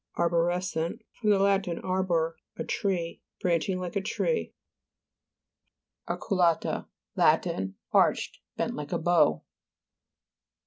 ARBORE'SCEXT fr. lat. arbor, a tree. Branching like a tree. AHCUA'TA Lat. Arched; bent like a bow.